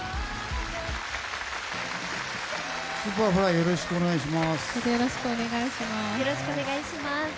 よろしくお願いします。